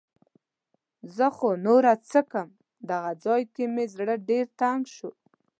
زه خو نوره څم. دغه ځای کې مې زړه ډېر تنګ شو.